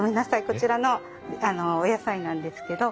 こちらのお野菜なんですけど。